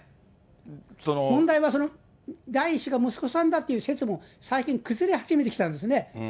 問題はその第１子が息子さんだという説も最近崩れ始めてきたんですね。